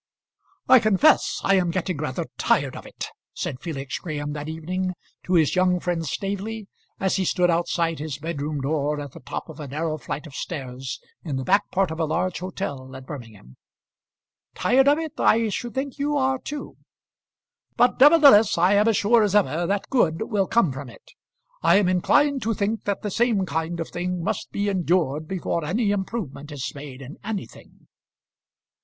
"I confess I am getting rather tired of it," said Felix Graham that evening to his friend young Staveley, as he stood outside his bedroom door at the top of a narrow flight of stairs in the back part of a large hotel at Birmingham. "Tired of it! I should think you are too." "But nevertheless I am as sure as ever that good will come from it. I am inclined to think that the same kind of thing must be endured before any improvement is made in anything."